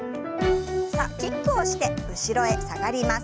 さあキックをして後ろへ下がります。